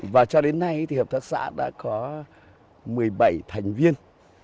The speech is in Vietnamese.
và cho đến nay thì hợp tác xã đã có một mươi bảy thành viên